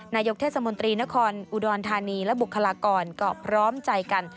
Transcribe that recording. นายกเทศมนตรีนครอุดรธานีและบุคลากรก็พร้อมใจกัน